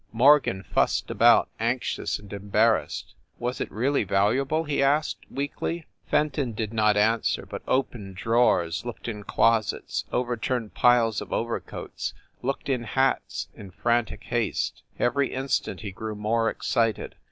Morgan fussed about, anxious and embarrassed. "Was it really valuable?" he asked, weakly. Fenton did not answer, but opened drawers, looked in closets, overturned piles of overcoats, looked in hats, in frantic haste. Every instant he grew more excited.